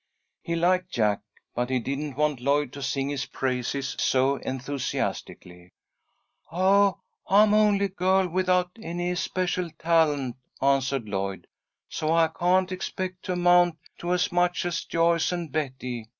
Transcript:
He liked Jack, but he didn't want Lloyd to sing his praises so enthusiastically. "Oh, I'm only a girl without any especial talent," answered Lloyd, "so I can't expect to amount to as much as Joyce and Betty.